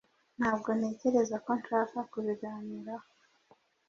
Ntabwo ntekereza ko nshaka kubiganiraho.